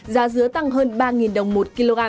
giá dứa tăng hơn ba đồng một kg